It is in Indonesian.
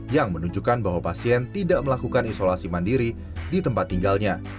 yang menunjukkan bahwa pasien tidak melakukan isolasi mandiri di tempat tinggalnya